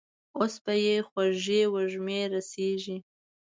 اوس به يې خوږې وږمې رسېږي.